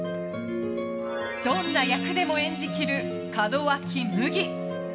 どんな役でも演じきる門脇麦。